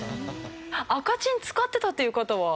赤チン使ってたっていう方は？